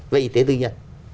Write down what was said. về y tế tự nhân